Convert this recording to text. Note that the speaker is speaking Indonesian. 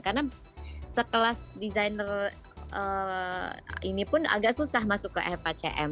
karena sekelas designer ini pun agak susah masuk ke fhcm